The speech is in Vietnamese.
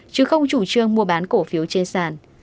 chứ không chủ trương mua bán cổ phiếu trên sàn